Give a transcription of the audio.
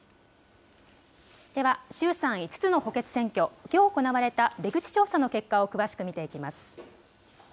では衆参５つの補欠選挙、きょう行われた出口調査の結果を詳しく見ていきます。